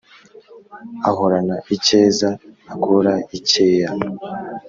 ahorana icyeza akura i cyeya